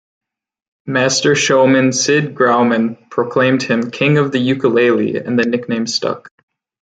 Master showman Sid Grauman proclaimed him "King of the Ukulele" and the nickname stuck.